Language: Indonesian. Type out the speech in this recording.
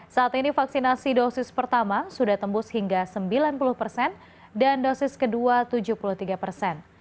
saat ini vaksinasi dosis pertama sudah tembus hingga sembilan puluh persen dan dosis kedua tujuh puluh tiga persen